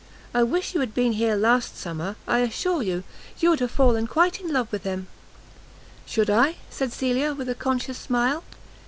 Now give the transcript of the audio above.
I wish you had been here last summer; I assure you, you would quite have fallen in love with him." "Should I?" said Cecilia, with a conscious smile.